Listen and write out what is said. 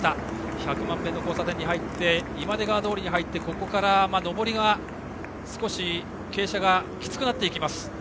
百万遍の交差点に入って今出川通に入ってここから上りの傾斜が少しきつくなってきます。